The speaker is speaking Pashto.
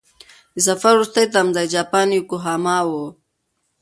د سفر وروستی تمځی جاپان یوکوهاما و.